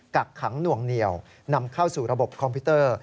กักขังหน่วงเหนียวนำเข้าสู่ระบบคอมพิวเตอร์